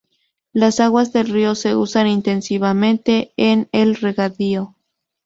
Las aguas del río se usan intensivamente en el regadío.